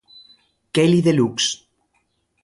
Kelly Deluxe".